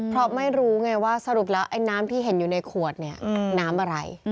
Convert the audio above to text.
เพราะไม่รู้ไงว่าสรุปแล้วไอ้น้ำที่เห็นอยู่ในขวดเนี่ยน้ำอะไร